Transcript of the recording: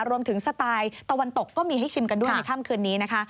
สไตล์ตะวันตกก็มีให้ชิมกันด้วยในค่ำคืนนี้นะคะ